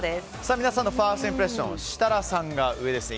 皆さんのファーストインプレッション設楽さんが上ですね